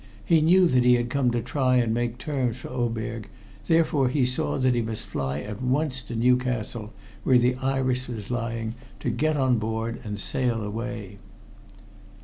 He knew that he had come to try and make terms for Oberg, therefore he saw that he must fly at once to Newcastle, where the Iris was lying, get on board, and sail away.